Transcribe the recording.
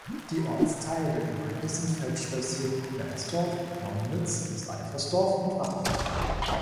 Die Ortsteile der Gemeinde sind Feldschlößchen, Leppersdorf, Lomnitz, Seifersdorf und Wachau.